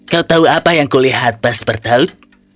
kau tahu apa yang kulihat pas berteluk